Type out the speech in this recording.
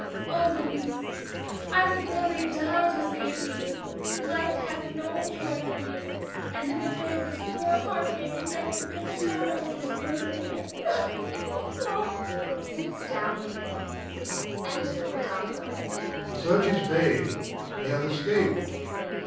Oh, Louis, I will gladly die to save thee. Life hath no joy for me; and in the grave this poor heart may forget the bitter sorrows it is burdened with [sinks down weeping]. [Enter Rodolpho. Rod. The search is vain. He hath escaped.